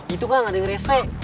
itu kan ada yang ngeresek